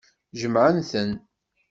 Jemɛen-ten.